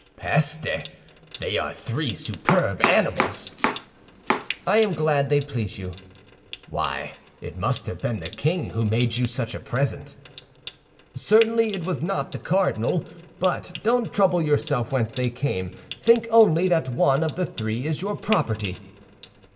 "Peste! They are three superb animals!" "I am glad they please you." "Why, it must have been the king who made you such a present." "Certainly it was not the cardinal; but don't trouble yourself whence they come, think only that one of the three is your property."